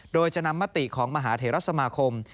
โดยจะนำมติของมหาเทรสมาคม